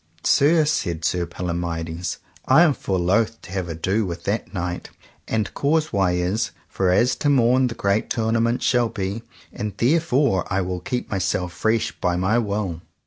Sir, said Sir Palomides, I am full loath to have ado with that knight, and cause why is, for as to morn the great tournament shall be; and therefore I will keep myself fresh by my will.